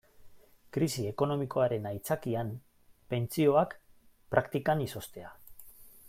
Krisi ekonomikoaren aitzakian pentsioak praktikan izoztea.